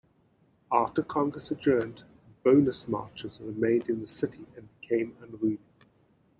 After Congress adjourned, bonus marchers remained in the city and became unruly.